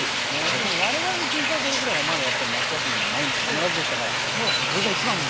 でも我々の小さい頃ぐらいはまだやっぱり夏休み毎日必ずでしたからこれが一番の思い出。